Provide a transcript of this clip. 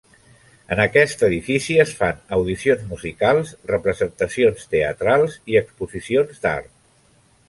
En aquest edifici es fan audicions musicals, representacions teatrals i exposicions d'art.